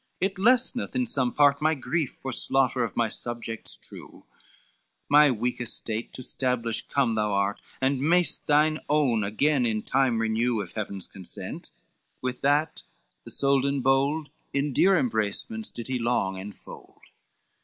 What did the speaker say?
it lesseneth in some part My grief, for slaughter of my subjects true; My weak estate to stablish come thou art, And mayest thine own again in time renew, If Heavens consent:" with that the Soldan bold In dear embracements did he long enfold.